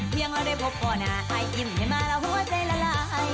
เมียงเอาได้พบป่อน่ายอิ่มให้มาแล้วหัวใจละลาย